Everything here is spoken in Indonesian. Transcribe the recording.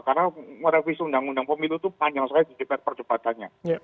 karena merevisi undang undang pemilu itu panjang sekali dicipet percepatannya